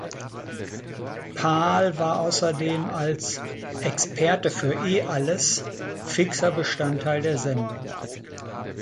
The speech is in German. Paal war außerdem als "Experte für eh alles" fixer Bestandteil der Sendung.